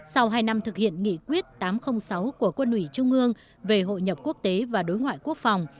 sau hai năm thực hiện nghị quyết tám trăm linh sáu của quân ủy trung ương về hội nhập quốc tế và đối ngoại quốc phòng